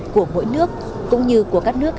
của mỗi nước cũng như của các nước